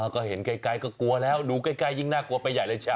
ก็เห็นไกลก็กลัวแล้วดูใกล้ยิ่งน่ากลัวไปใหญ่เลยแชร์